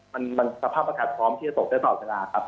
มันมันสภาพอาหกัดพร้อมที่จะตกได้ส่วนต่อเวลาครับ